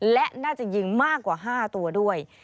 และน่าจะยิงมากกว่า๕ตัวด้วย